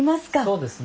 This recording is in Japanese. そうですね。